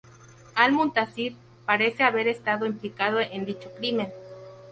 Al-Muntásir parece haber estado implicado en dicho crimen.